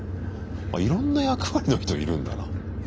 いろんな役割の人いるんだな。